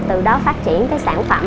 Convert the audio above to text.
từ đó phát triển cái sản phẩm